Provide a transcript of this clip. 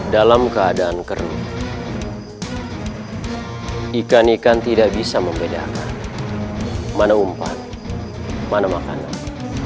dalam keadaan kering ikan ikan tidak bisa membedakan mana umpan mana makanan